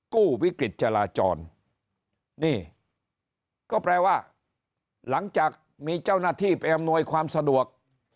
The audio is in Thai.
กู้วิกฤตจราจรนี่ก็แปลว่าหลังจากมีเจ้าหน้าที่ไปอำนวยความสะดวก